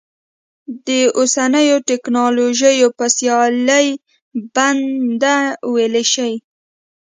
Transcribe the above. د اوسنیو ټکنالوژیو په سیالۍ بنده ویلی شي.